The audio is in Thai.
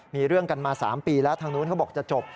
มีเรื่องกันมา๓ปีแล้วทางนู้นเขาบอกจะจบ